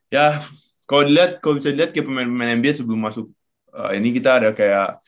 ya kalau bisa dilihat kayak pemain pemain nba sebelum masuk ini kita ada kayak